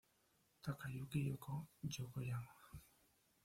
Takayuki Yokoyama